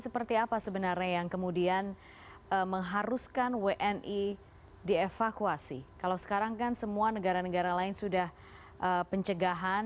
perkembangan dalam situasi hubungan antara kedua negara